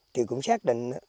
thì cũng xác định